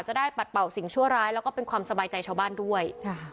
ปัดเป่าสิ่งชั่วร้ายแล้วก็เป็นความสบายใจชาวบ้านด้วย